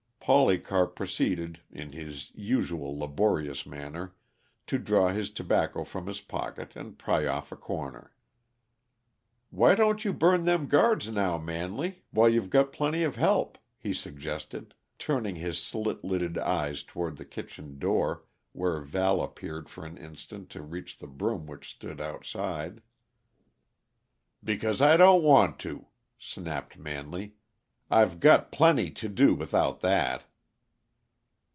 Polycarp proceeded, in his usual laborious manner, to draw his tobacco from his pocket, and pry off a corner. "Why don't you burn them guards now, Manley, while you got plenty of help?" he suggested, turning his slit lidded eyes toward the kitchen door, where Val appeared for an instant to reach the broom which stood outside. "Because I don't want to," snapped Manley: "I've got plenty to do without that."